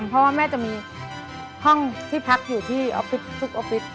เพราะว่าแม่จะมีห้องที่พักอยู่ที่ออฟฟิศทุกออฟฟิศ